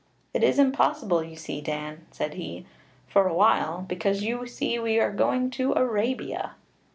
'It is impossible, you see, Dan,' said he, 'for a while, because you see we are going to Arabia.'